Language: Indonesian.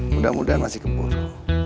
mudah mudahan masih keburu